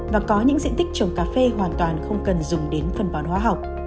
và có những diện tích trồng cà phê hoàn toàn không cần dùng đến phân bón hóa học